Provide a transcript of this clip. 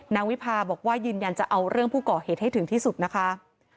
วิพาบอกว่ายืนยันจะเอาเรื่องผู้ก่อเหตุให้ถึงที่สุดนะคะ